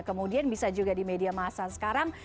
kemudian bisa juga di media masa sekarang